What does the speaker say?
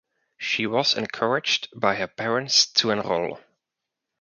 She was encouraged by her parents to enroll.